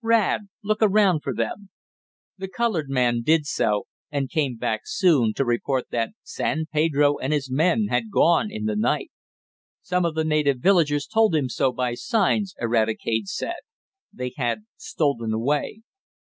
Rad, look around for them." The colored man did so, and came back soon, to report that San Pedro and his men had gone in the night. Some of the native villagers told him so by signs, Eradicate said. They had stolen away.